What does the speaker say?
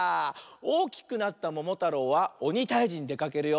おおきくなったももたろうはおにたいじにでかけるよ。